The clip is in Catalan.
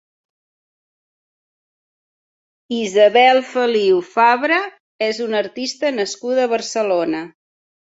Isabel Feliu Fabra és una artista nascuda a Barcelona.